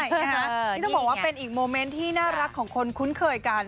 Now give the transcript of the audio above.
นี่ต้องบอกว่าเป็นอีกโมเมนต์ที่น่ารักของคนคุ้นเคยกัน